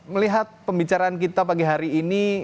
melihat pembicaraan kita pagi hari ini